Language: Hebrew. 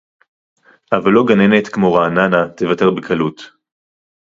אבל לא גננת כמו רעננה תוותר בקלות